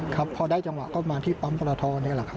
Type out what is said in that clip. ครับพอได้จังหวะก็มาที่ปั๊มปรทนี่แหละครับ